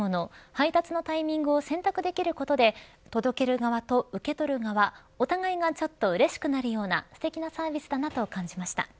配達のタイミングを選択できることで届ける側と受け取る側、お互いがちょっとうれしくなるようなすてきなサービスだなと感じました。